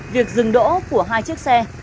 việc dừng đỗ của hai chiếc xe